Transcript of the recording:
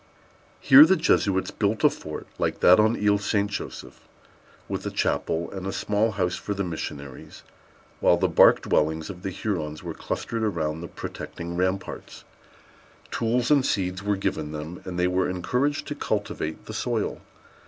Here the Jesuits built a fort, like that on Isle St. Joseph, with a chapel, and a small house for the missionaries, while the bark dwellings of the Hurons were clustered around the protecting ramparts. Tools and seeds were given them, and they were encouraged to cultivate the soil.